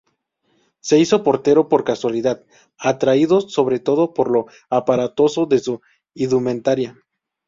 Se hizo portero por casualidad, atraído sobre todo por lo aparatoso de su indumentaria.